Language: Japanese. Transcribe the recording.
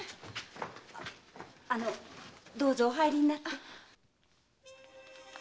あのどうぞお入りになって。